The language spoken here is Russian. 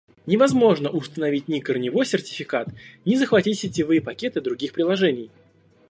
Невозможно установить ни корневой сертификат, ни захватить сетевые пакеты других приложений